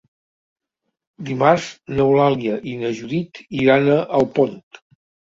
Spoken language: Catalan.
Dimarts n'Eulàlia i na Judit iran a Alpont.